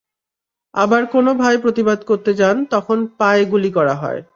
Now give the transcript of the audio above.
আবার কোনো ভাই প্রতিবাদ করতে যান, তখন পায়ে গুলি করা হয়।